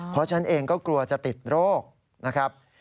เพราะฉันเองก็กลัวจะติดโรคนะครับ